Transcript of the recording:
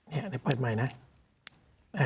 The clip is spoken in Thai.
นี่ปล่อยใหม่นะ